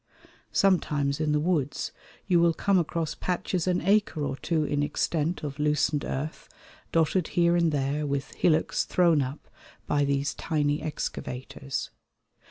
Sometimes in the woods you will come across patches an acre or two in extent of loosened earth dotted here and there with hillocks thrown up by these tiny excavators.